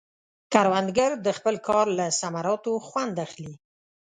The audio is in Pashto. کروندګر د خپل کار له ثمراتو خوند اخلي